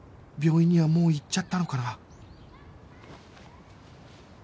病院にはもう行っちゃったのかな？